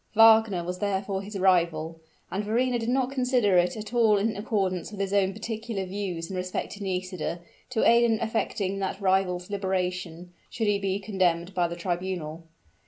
Wagner was therefore his rival; and Verrina did not consider it at all in accordance with his own particular views in respect to Nisida, to aid in effecting that rival's liberation, should he be condemned by the tribunal.